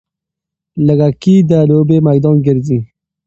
لږکي د لوبې میدان ګرځي.